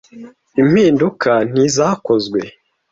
Impinduka ntizakozwe.